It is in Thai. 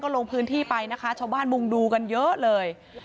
ลงพื้นที่ไปนะคะชาวบ้านมุงดูกันเยอะเลย